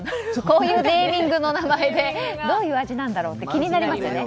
こういうネーミングでどういう味なんだろうって気になりますよね。